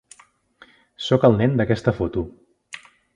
Sóc el nen d'aquesta foto.